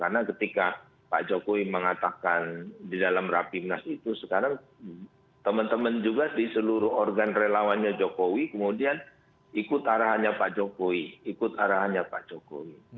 karena ketika pak jokowi mengatakan di dalam rapimnas itu sekarang temen temen juga di seluruh organ relawannya jokowi kemudian ikut arahannya pak jokowi